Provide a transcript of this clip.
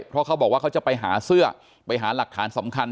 เพราะเขาบอกว่าเขาจะไปหาเสื้อไปหาหลักฐานสำคัญ